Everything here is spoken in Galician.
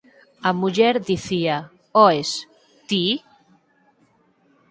A muller dicía: «Oes, ti…?».